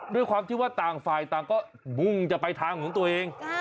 ด้วยความที่ว่าต่างฝ่ายต่างก็มุ่งจะไปทางของตัวเอง